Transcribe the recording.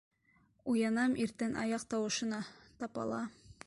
Уянам иртән аяҡ тауышына, Тапала...